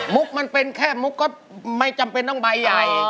มันเป็นแค่มุกก็ไม่จำเป็นต้องใบใหญ่